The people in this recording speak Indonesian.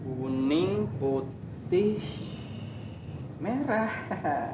buning putih merah